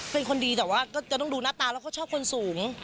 เป็นคนดีแต่ว่าก็จะต้องดูหน้าตาแล้วก็ชอบคนสูง